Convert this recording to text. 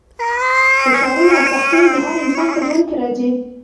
فشارونه او سختۍ د هر انسان په ژوند کې راځي.